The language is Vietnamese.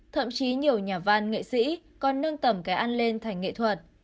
thậm chí nhiều nhà văn nghệ sĩ còn nâng tầm cái ăn lên thành nghệ thuật